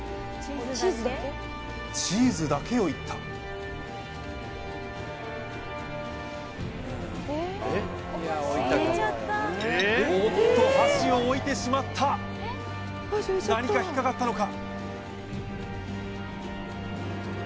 チーズだけをいったおっと箸を置いてしまった何か引っかかったのか？